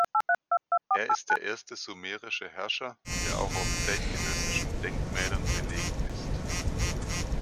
Er ist der erste sumerische Herrscher, der auch auf zeitgenössischen Denkmälern belegt ist.